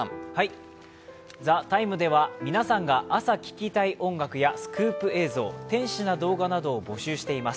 「ＴＨＥＴＩＭＥ，」では皆さんが朝聴きたい音楽やスクープ映像、天使な動画などを募集しています。